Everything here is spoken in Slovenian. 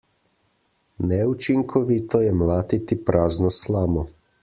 Neučinkovito je mlatiti prazno slamo.